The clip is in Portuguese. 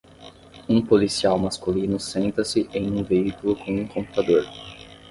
Um policial masculino senta-se em um veículo com um computador.